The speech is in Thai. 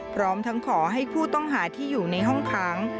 พร้อมทั้งขอให้ผู้ต้องหาที่อยู่ในห้องค้าง